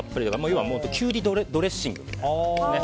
要はキュウリドレッシングですね。